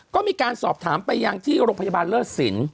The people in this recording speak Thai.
ก็มีการสอบถามไปยังที่โรงพยาบาลเลิศสิน